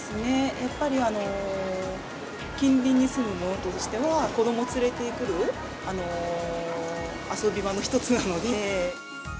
やっぱり、近隣に住む者としては、子どもを連れてくる遊び場の一つなので。